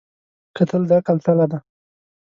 کتل د عقل تله ده